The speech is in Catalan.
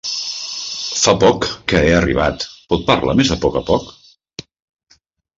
Fa poc, que he arribat, pot parlar més a poc a poc?